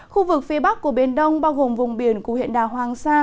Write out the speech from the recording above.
khu vực phía bắc của biển đông bao gồm vùng biển cụ hiện đà hoàng sa